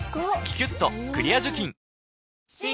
「キュキュットクリア除菌」新！